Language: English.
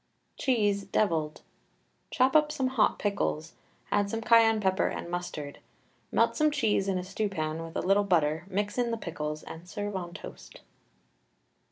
CHEESE, DEVILLED. Chop up some hot pickles, add some cayenne pepper and mustard. Melt some cheese in a stew pan with a little butter, mix in the pickles, and serve on toast.